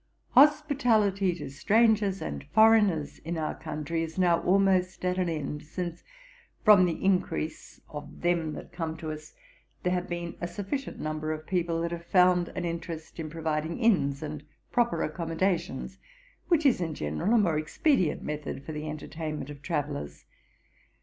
'Hospitality to strangers and foreigners in our country is now almost at an end, since, from the increase of them that come to us, there have been a sufficient number of people that have found an interest in providing inns and proper accommodations, which is in general a more expedient method for the entertainment of travellers.